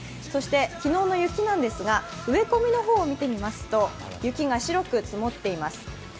そして昨日の雪なんですが、植え込みの方を見てみますと雪が白く積もっています。